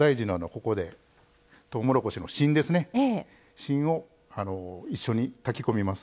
芯を一緒に炊き込みます。